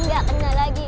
nggak kena lagi